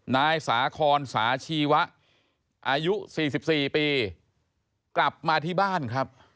นายสาคอนสาชีวะอายุ๔๔ปีกลับมาที่บ้านครับ